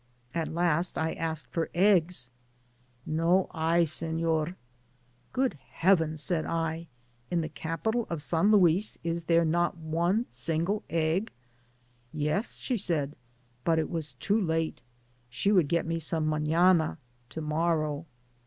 At last I asked for eggs, No hay, Sefior." " Good heavens !^ said I, *^ in the capital of San Luis is there not one single egg ?"" Yes,*'' she said, but it was too late, she would get me some manana (to morrow).